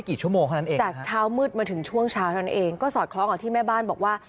ดูจากเช้ามืดมาถึงช่วงเช้าเหมือนกันเองก็สอดคล้องออกที่แม่บ้านบอกว่า